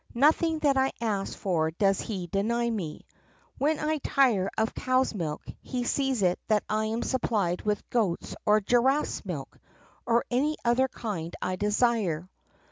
Nothing that I ask for does he deny me. When I tire of cow's milk, he sees that I am supplied with goat's or giraffe's milk or any other kind I desire.